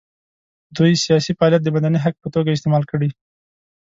دوی سیاسي فعالیت د مدني حق په توګه استعمال کړي.